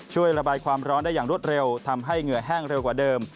ช่วยระบายความร้อนได้อย่างรวดเร็วทำให้เหงื่อแห้งเร็วกว่าเดิม